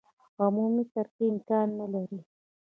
عمومي ترقي امکان نه لري.